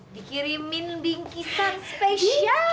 dikirimin bingkisan spesial